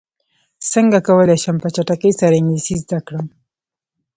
څنګه کولی شم په چټکۍ سره انګلیسي زده کړم